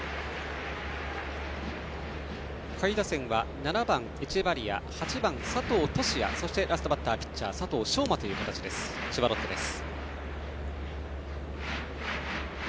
下位打線は７番エチェバリア８番、佐藤都志也そしてラストバッターピッチャーの佐藤奨真という形の千葉ロッテです。